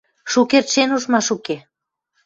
Шукердшен ужмаш уке...